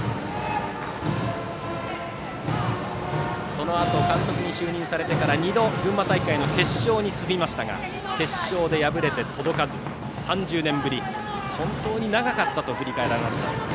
そのあと監督に就任されてから２度群馬大会の決勝に進みましたが決勝で敗れて届かず３０年ぶり、本当に長かったと振り返られました。